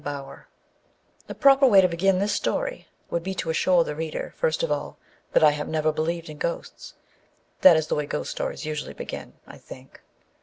Bower THE proper way to begin this story would be to assure the reader, first of all, that I have never believed in ghosts ; that is the way ghost stories usually begin, I think.